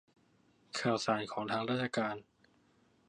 ข่าวสารของราชการ